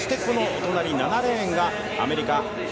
７レーンがアメリカ。